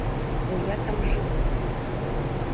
Бо я там жыву.